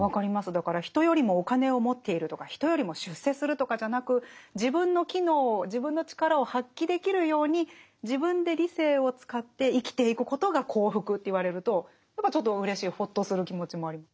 だから人よりもお金を持っているとか人よりも出世するとかじゃなく自分の機能自分の力を発揮できるように自分で理性を使って生きていくことが幸福と言われるとちょっとうれしいほっとする気持ちもあります。